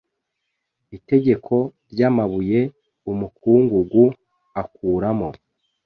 itegeko ryamabuye umukungugu akuramo